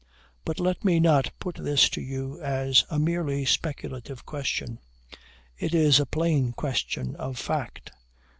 But let me not put this to you as a merely speculative question: it is a plain question of fact.